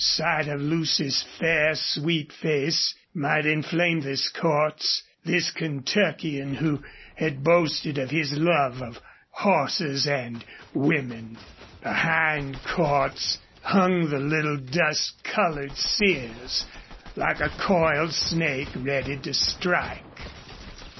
Sight of Lucy's fair, sweet face might inflame this Cordts this Kentuckian who had boasted of his love of horses and women. Behind Cordts hung the little dust colored Sears, like a coiled snake, ready to strike.